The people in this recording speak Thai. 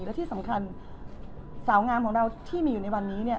และที่สำคัญสาวงามของเราที่มีอยู่ในวันนี้เนี่ย